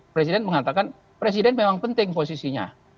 presiden mengatakan presiden memang penting posisinya